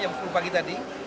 jam sepuluh pagi tadi